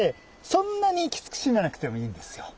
そんなにきつく締めなくてもいいんですよ。